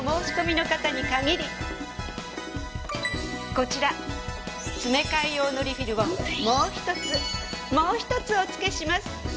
こちら詰め替え用のリフィルをもう１つもう１つおつけします。